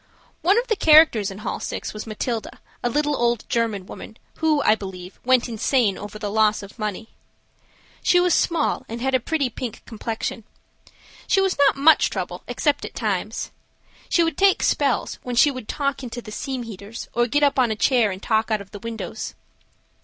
One of the characters in Hall 6 was Matilda, a little old German woman, who, I believe, went insane over the loss of money. She was small, and had a pretty pink complexion. She was not much trouble, except at times. She would take spells, when she would talk into the steam heaters or get up on a chair and talk out of the windows.